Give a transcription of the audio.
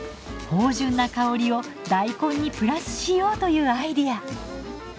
豊潤な香りを大根にプラスしようというアイデア。